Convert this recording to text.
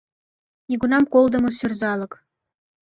— Нигунам колдымо сӱрзалык!